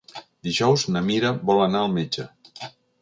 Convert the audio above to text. Dijous na Mira vol anar al metge.